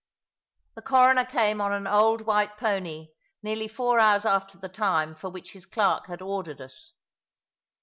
The Coroner came on an old white pony, nearly four hours after the time for which his clerk had ordered us.